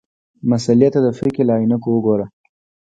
مسألې ته د فقهې له عینکو وګورو.